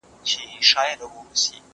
زه پرون کښېناستل کوم!؟